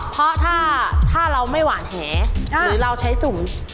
เพราะถ้าเราไม่หวานแหหรือเราใช้สูง